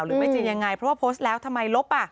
หรือไม่จริงยังไงเพราะว่าโพสต์แล้วทำไมลบ